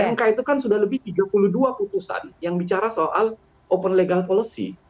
mk itu kan sudah lebih tiga puluh dua putusan yang bicara soal open legal policy